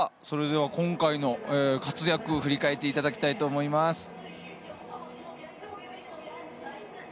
それでは今回の活躍を振り返っていただきたいと思います。